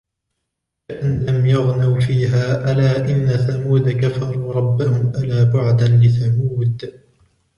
كَأَنْ لَمْ يَغْنَوْا فِيهَا أَلَا إِنَّ ثَمُودَ كَفَرُوا رَبَّهُمْ أَلَا بُعْدًا لِثَمُودَ